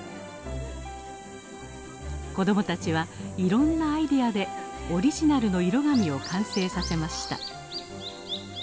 子どもたちはいろんなアイデアでオリジナルの色紙を完成させました